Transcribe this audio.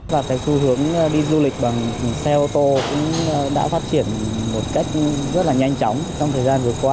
và cái xu hướng đi du lịch bằng xe ô tô cũng đã phát triển một cách rất là nhanh chóng trong thời gian vừa qua